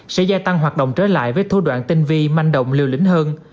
sẽ gia tăng hoạt động trở lại với thu đoạn tinh vi manh động liều lĩnh hơn